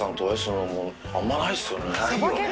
ないよね